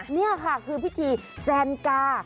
นี่ค่ะคือพิธีแซนกา